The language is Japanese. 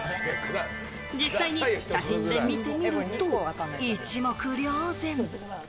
実際に写真で見てみると、一目瞭然。